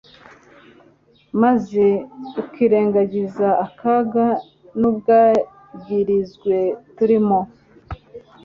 maze ukirengagiza akaga n’ubwagirizwe turimo?